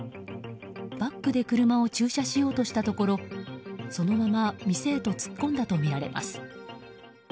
バックで車を駐車しようとしたところそのまま店へと突っ込んだとみられます。